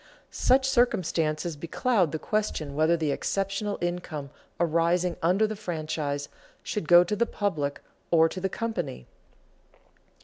Such circumstances becloud the question whether the exceptional income arising under the franchise should go to the public or to the company.